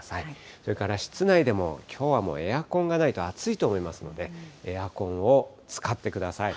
それから室内でも、きょうはエアコンがないと暑いと思いますので、エアコンを使ってください。